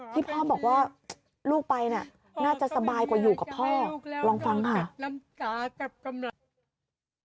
ที่พ่อบอกว่าลูกไปน่ะน่าจะสบายกว่าอยู่กับพ่อลองฟังค่ะ